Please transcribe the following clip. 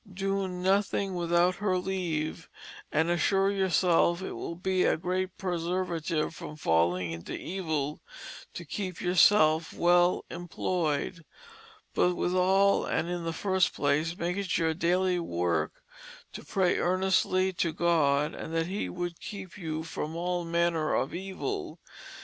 Doe nothing without her leave, and assure yourself it will be a great preservative from falling into evill to keep yourself well imployed. But with all and in the first place make it your dayly work to pray earnestly to God that he would keep you from all manner of evil.